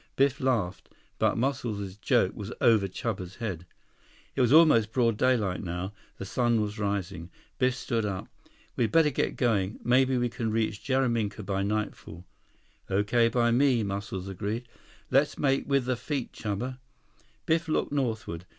Biff laughed, but Muscles' joke was over Chuba's head. It was almost broad daylight now. The sun was rising. Biff stood up. "We'd better get going. Maybe we can reach Jaraminka by nightfall." "Okay by me," Muscles agreed. "Let's make with the feet, Chuba." Biff looked northward.